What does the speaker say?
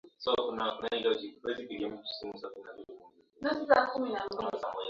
na ukweli ni asilimia nne tu